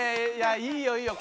いいよいいよ